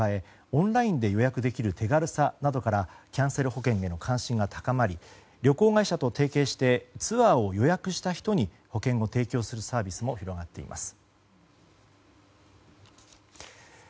オンラインで予約できる手軽さなどからキャンセル保険への関心が高まり旅行会社と提携してツアーを予約した人に保険を提供するサービスも広がっています。